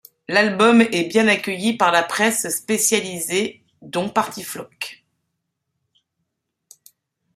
L'album est bien accueilli par la presse spécialisée, dont Partyflock.